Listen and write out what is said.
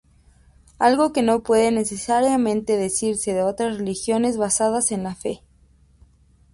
Algo que no puede necesariamente decirse de otras religiones basadas en la fe.